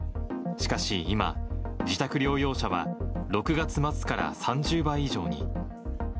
しかし今、自宅療養者は６月末から３０倍以上に。